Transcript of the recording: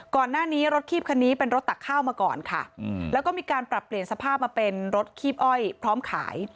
ก่อนหน้านี้รถคีบคันนี้เป็นรถตักข้าวมาก่อนค่ะแล้วก็มีการปรับเปลี่ยนสภาพมาเป็นรถคีบอ้อยพร้อมขาย